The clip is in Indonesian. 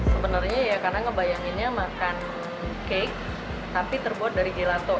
sebenarnya ya karena ngebayanginnya makan cake tapi terbuat dari gelato